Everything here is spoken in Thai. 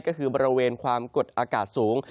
ก็คือบริเวณความกดอากาศสูง